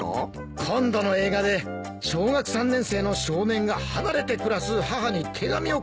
今度の映画で小学３年生の少年が離れて暮らす母に手紙を書くシーンがありまして。